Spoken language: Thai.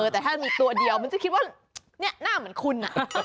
แต่ถ้ามีตัวเดียวมันจะคิดว่าหน้าเหมือนคุณ